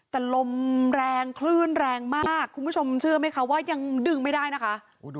แต่ลมแรงคลื่นแรงมากคุณผู้ชมเชื่อไหมคะว่ายังดึงไม่ได้นะคะ